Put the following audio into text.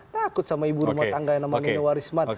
takut sama ibu rumah tangga yang namanya waris mat